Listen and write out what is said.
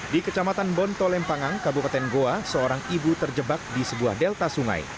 di kecamatan bontolempangan kabupaten goa seorang ibu terjebak di sebuah delta sungai